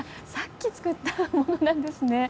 さっき作ったものなんですね。